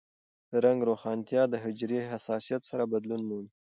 د رنګ روښانتیا د حجرې حساسیت سره بدلون مومي.